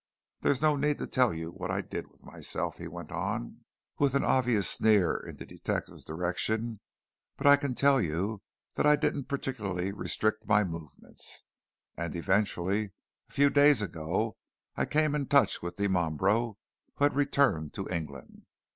There's no need to tell you what I did with myself," he went on, with an obvious sneer in the detective's direction. "But I can tell you that I didn't particularly restrict my movements. And eventually a few days ago I come into touch with Dimambro, who had returned to England.